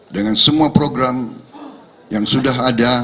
dengan semua program yang sudah ada